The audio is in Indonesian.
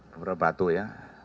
beberapa batu ya